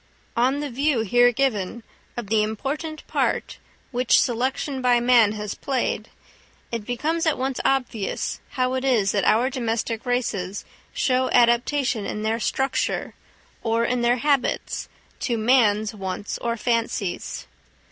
On the view here given of the important part which selection by man has played, it becomes at once obvious, how it is that our domestic races show adaptation in their structure or in their habits to man's wants or fancies.